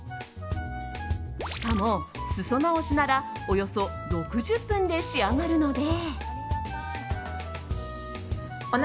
しかも裾直しならおよそ６０分で仕上がるので。